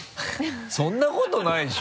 そんなことないでしょ。